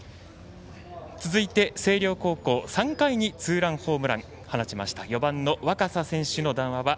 続いて、星稜高校、３回にツーランホームランを放った４番の若狭選手の談話